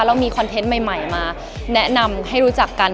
มีคอนเทนต์ใหม่มาแนะนำให้รู้จักกัน